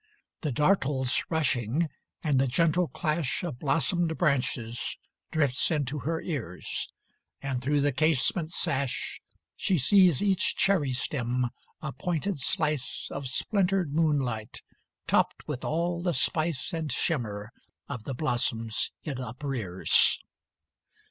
The Dartle's rushing, and the gentle clash Of blossomed branches, drifts into her ears. And through the casement sash She sees each cherry stem a pointed slice Of splintered moonlight, topped with all the spice And shimmer of the blossoms it uprears.